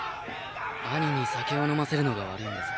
兄に酒を飲ませるのが悪いんです。